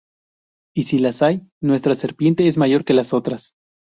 Y, si las hay, ¿nuestra serpiente es mayor que las otras?